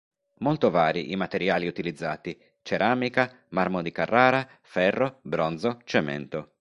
Molto vari i materiali utilizzati: ceramica, marmo di Carrara, ferro, bronzo, cemento.